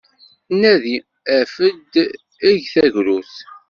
Nadi, af-d, eg tagrut!